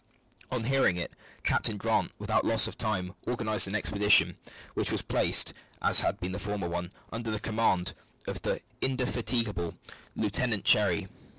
On hearing it, Captain Grant, without loss of time, organised an expedition, which was placed, as had been the former one, under the command of the indefatigable Lieutenant Cherry.